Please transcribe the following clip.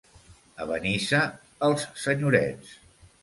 A Benissa, els senyorets.